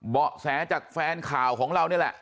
เบาะแสจากแฟนข่าวของเรานี่แหละ